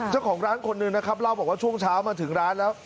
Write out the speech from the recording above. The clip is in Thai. เจ้าของร้านคนหนึ่งนะครับเล่าบอกว่าช่วงเช้ามาถึงร้านแล้ว